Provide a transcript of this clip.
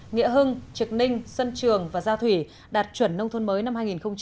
nghĩa hưng trực ninh sân trường và gia thủy đạt chuẩn nông thuần mới năm hai nghìn một mươi bảy